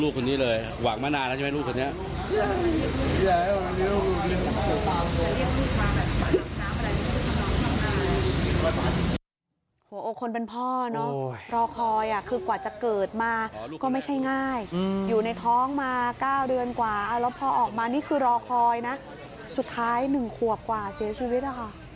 หัวอกคนเป็นพ่อเนอะรอคอยคือกว่าจะเกิดมาก็ไม่ใช่ง่ายอยู่ในท้องมา๙เดือนกว่าแล้วพอออกมานี่คือรอคอยนะสุดท้าย๑ขวบกว่าเสียชีวิตนะคะ